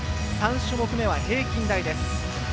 ３種目めは平均台です。